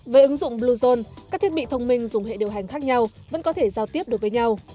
với ứng dụng bluezone các thiết bị thông minh dùng hệ điều hành khác nhau vẫn có thể giao tiếp được với nhau